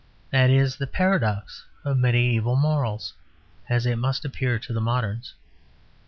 That is the paradox of mediæval morals: as it must appear to the moderns.